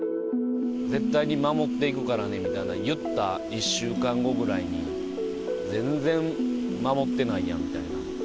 絶対に守っていくからねみたいなのを言った１週間後ぐらいに、全然守ってないやんみたいな。